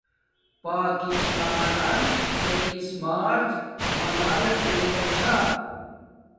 پاکستانن تریس مارچ منایا ارے گا چھا